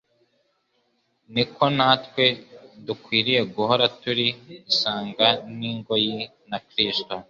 niko natwe dukwiriye guhora turi isanga n'ingoyi na Kristo,